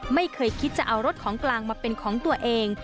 ไม่เคยคิดจะเอารถของกลางมาเป็นของตัวเอง